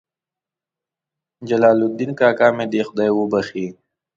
جلال الدین کاکا مې دې خدای وبخښي.